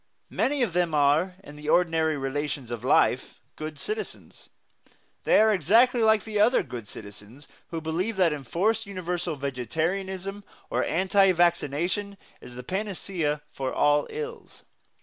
Many of them are, in the ordinary relations of life, good citizens. They are exactly like the other good citizens who believe that enforced universal vegetarianism or anti vaccination is the panacea for all ills.